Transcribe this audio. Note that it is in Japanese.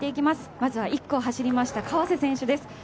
まずは１区を走りました川瀬選手です。